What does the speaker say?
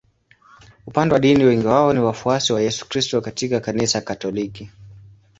Upande wa dini wengi wao ni wafuasi wa Yesu Kristo katika Kanisa Katoliki.